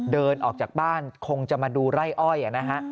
เดินออกจากบ้านคงจะมาดูไร่อ้อยนะฮะ